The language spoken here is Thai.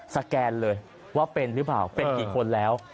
สแกนเลยว่าเป็นหรือเปล่าเป็นกี่คนแล้ว